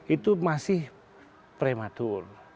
itu masih prematur